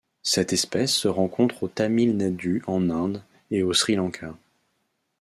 Cette espèce se rencontre au Tamil Nadu en Inde et au Sri Lanka.